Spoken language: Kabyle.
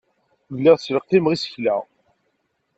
Lliɣ ttleqqimeɣ isekla.